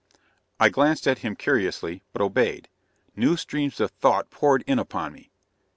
I glanced at him curiously, but obeyed. New streams of thought poured in upon me.